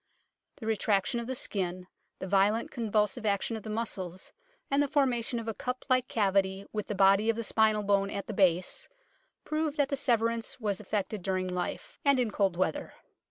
The retraction of the skin, the violent convulsive action of the muscles, and the forma tion of a cup like cavity with the body of the spinal bone at the base, prove that the severance was effected during life, and in cold weather.